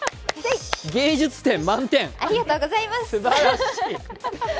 芸術点満点！